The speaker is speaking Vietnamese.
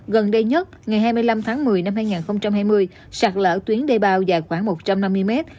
gần đây nhất ngày hai mươi năm tháng một mươi năm hai nghìn hai mươi sạt lỡ tuyến đê bao dài khoảng một trăm năm mươi mét